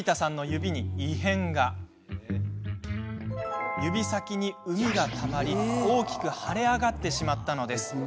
指先に、うみがたまり大きく腫れ上がってしまったのです。